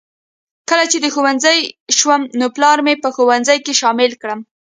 کله چې د ښوونځي شوم نو پلار مې په ښوونځي کې شامله کړم